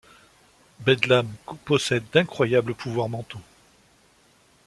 Bedlam possède d'incroyables pouvoirs mentaux.